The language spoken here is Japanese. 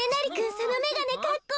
そのめがねかっこいい。